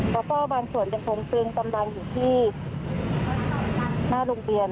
แล้วก็บางส่วนยังคงตรึงกำลังอยู่ที่หน้าโรงเรียน